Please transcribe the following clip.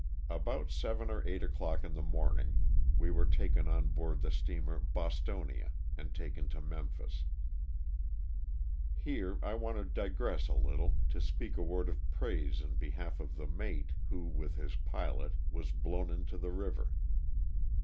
About seven or eight o'clock in the morning we were taken onboard the steamer ''Bostonia" and taken to Memphis. Here I want to digress a little to speak a word of praise in behalf of the mate, who, with the pilot, was blown into the river.